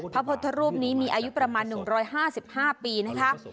พระพุทธรูปนี้มีอายุประมาณ๑๕๕ปีนะคะ